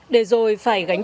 đề rồi phải gánh